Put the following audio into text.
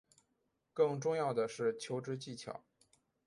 更重要的是求职技巧